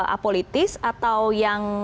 apolitis atau yang